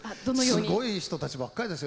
すごい人たちばっかりですよ。